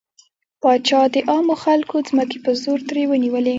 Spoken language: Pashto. پاچا د عامو خلکو ځمکې په زور ترې ونيولې.